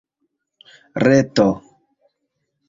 reto